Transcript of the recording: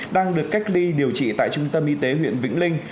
đang được cách ly điều trị tại trung tâm y tế huyện vĩnh linh